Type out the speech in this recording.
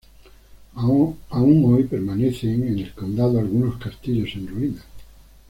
Aún hoy permanecen en el condado algunos castillos en ruinas.